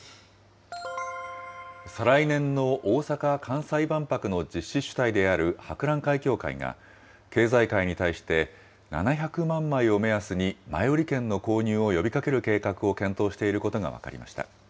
再来年の大阪・関西万博の実施主体である博覧会協会が、経済界に対して７００万枚を目安に前売券の購入を呼びかける計画を検討していることが分かりました。